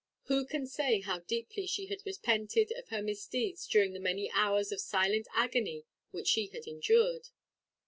Who can say how deeply she had repented of her misdeeds during the many hours of silent agony which she had endured!